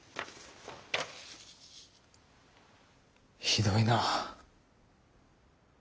ひどいな。